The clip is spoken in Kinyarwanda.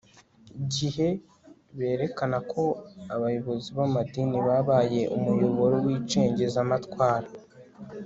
gihe berekana ko abayobozi b amadini babaye umuyoboro w icengezamatwara